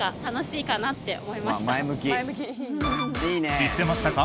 知ってましたか？